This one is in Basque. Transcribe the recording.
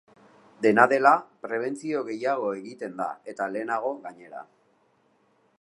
Dena dela, prebentzio gehiago egiten da, eta lehenago, gainera.